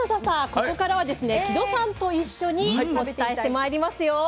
ここからはですね木戸さんと一緒にお伝えしてまいりますよ。